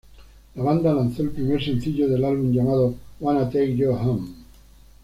La banda lanzó el primer sencillo del álbum llamado "Wanna Take You Home".